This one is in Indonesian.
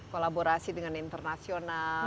kolaborasi dengan internasional